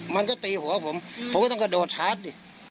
มันก็ตีหัวผมผมก็ต้องกระโดดชาร์จดิ